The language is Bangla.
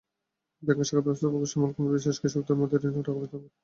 ব্যাংকের শাখা ব্যবস্থাপক শ্যামল কুমার বিশ্বাস কৃষকদের মধ্যে ঋণের টাকা বিতরণ করেন।